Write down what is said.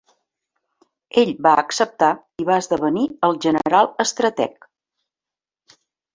Ell va acceptar i va esdevenir el general estrateg.